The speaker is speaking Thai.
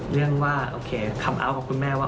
เรื่องว่าโอเคคำเอาท์ของคุณแม่ว่า